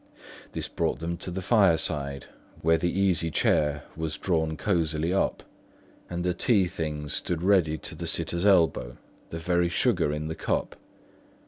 This brought them to the fireside, where the easy chair was drawn cosily up, and the tea things stood ready to the sitter's elbow, the very sugar in the cup.